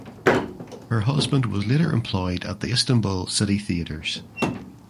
Her husband was later employed at the Istanbul City Theatres.